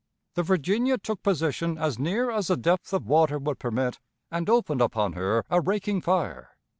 The Virginia took position as near as the depth of water would permit, and opened upon her a raking fire.